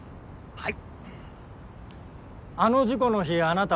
はい。